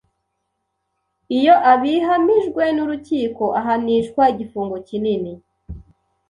Iyo abihamijwe n’urukiko ahanishwa igifungo kinini